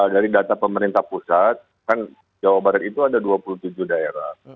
dari data pemerintah pusat kan jawa barat itu ada dua puluh tujuh daerah